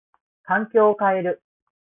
環境を変える。